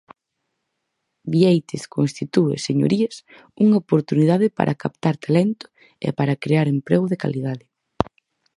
Biéitez constitúe, señorías, unha oportunidade para captar talento e para crear emprego de calidade.